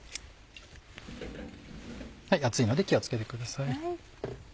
熱いので気を付けてください。